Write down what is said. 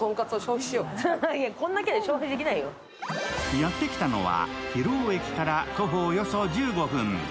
やって来たのは、広尾駅から徒歩およそ１５分。